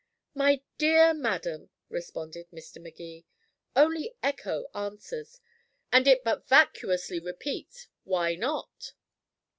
"My dear madam," responded Mr. Magee, "only echo answers, and it but vacuously repeats, 'Why not?'.